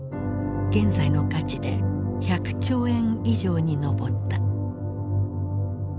現在の価値で１００兆円以上に上った。